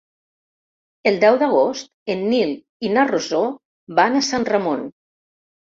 El deu d'agost en Nil i na Rosó van a Sant Ramon.